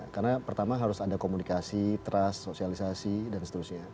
karena pertama harus ada komunikasi trust sosialisasi dan seterusnya